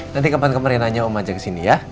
nanti kemarin kemarin reyna nya om ajak kesini ya